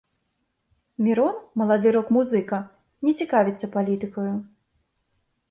Мірон, малады рок-музыка, не цікавіцца палітыкаю.